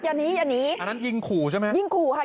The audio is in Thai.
อย่าหนีอย่าหนีอันนั้นยิงขู่ใช่ไหมยิงขู่ค่ะ